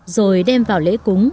rồi đem vào lễ cúng